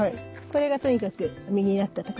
これがとにかく実になったところね。